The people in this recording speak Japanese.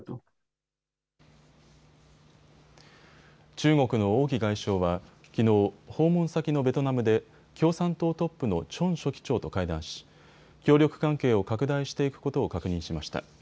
中国の王毅外相はきのう、訪問先のベトナムで共産党トップのチョン書記長と会談し、協力関係を拡大していくことを確認しました。